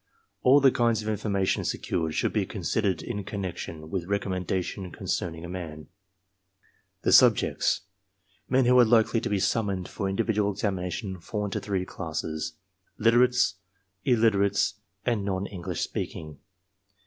All the kinds of information secured should be considered in connection with reconmiendation con cerning a man. The Subjects. — ^Men who are hkely to be summoned for in dividual examination faU into three classes — literates, iUiteraies, and non English speaking.